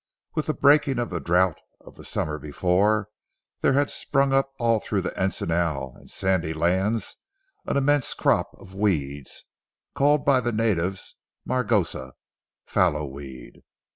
With the breaking of the drouth of the summer before there had sprung up all through the encinal and sandy lands an immense crop of weeds, called by the natives margoso, fallow weed.